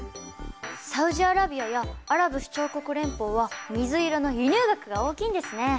サウジアラビアやアラブ首長国連邦は水色の輸入額が大きいんですね。